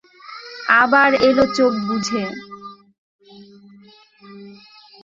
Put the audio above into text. আবার এল চোখ বুজে।